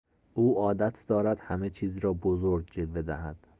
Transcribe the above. او عادت دارد همه چیز را بزرگ جلوه دهد.